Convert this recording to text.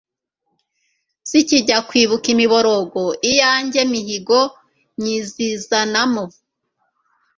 Zikijya kwibuka imiborogoIyanjye mihigo nyizizanamo